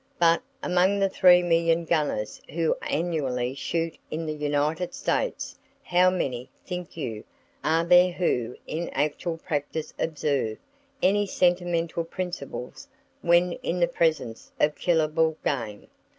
But, among the three million gunners who annually shoot in the United States how many, think you, are there who in actual practice observe any sentimental principles when in the presence of killable game?